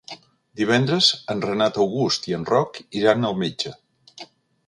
Divendres en Renat August i en Roc iran al metge.